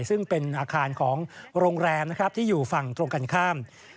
ซึ่งเป็นอาคารของโรงแรมนะครับที่อยู่ฝั่งตรงกันข้าม